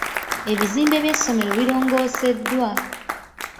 Ebizimbe by'essomero birongooseddwa.